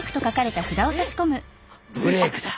ブレークだ！